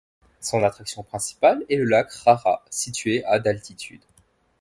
Son attraction principale est le lac Rara situé à d'altitude.